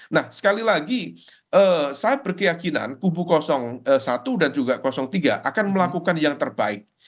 nah sekali lagi saya berkeyakinan kubu satu dan juga tiga akan melakukan yang terbaik